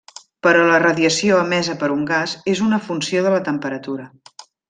Però la radiació emesa per un gas és una funció de la temperatura.